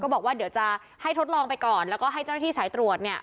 บอกว่าเดี๋ยวจะให้ทดลองไปก่อนแล้วก็ให้เจ้าหน้าที่สายตรวจเนี่ย